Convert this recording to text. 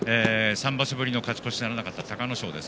３場所ぶりの勝ち越しならなかった隆の勝。